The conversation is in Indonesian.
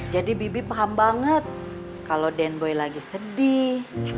jadi bibi paham banget kalau dan boy lagi sedih